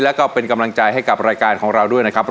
แล้วก็เป็นกำลังใจให้กับรายการของเราด้วยนะครับ